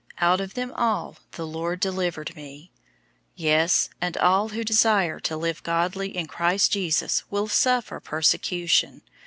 Out of them all the Lord delivered me. 003:012 Yes, and all who desire to live godly in Christ Jesus will suffer persecution.